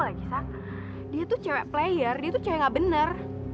lagi dia tuh cewek player itu cengah bener